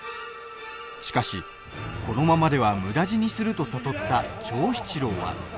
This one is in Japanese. しかし、このままでは無駄死にすると悟った長七郎は。